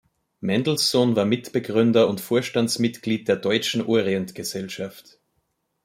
Mendelssohn war Mitbegründer und Vorstandsmitglied der Deutschen Orientgesellschaft.